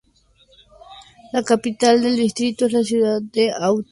La capital del distrito es la ciudad de Eutin.